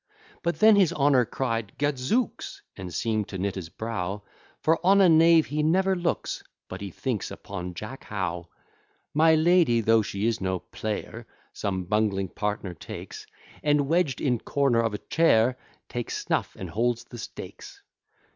But then his honour cried, Gadzooks! And seem'd to knit his brow: For on a knave he never looks But he thinks upon Jack How. My lady, though she is no player, Some bungling partner takes, And, wedged in corner of a chair, Takes snuff, and holds the stakes.